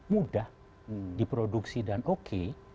mudah diproduksi dan oke